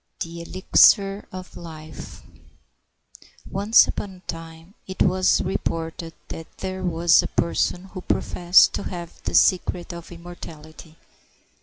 THE ELIXIR OF LIFE Once upon a time it was reported that there was a person who professed to have the secret of immortality.